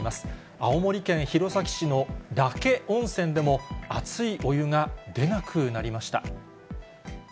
青森県弘前市の嶽温泉でも、熱いお湯が出なくなりました。